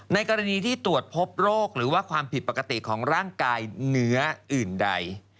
ในกรณีที่ตรวจพบโรคหรือว่าความผิดปกติของร่างกายเนื้ออื่นใด